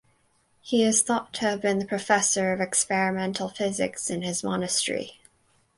He is thought to have been the professor of experimental physics in his monastery.